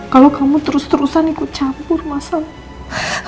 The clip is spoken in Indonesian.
kalau kamu terus terusan ikut campur masam